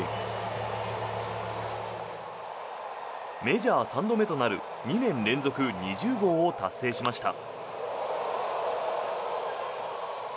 メジャー３度目となる２年連続２０号を達成しました。